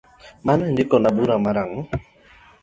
Mano indikona barua mar ang’o?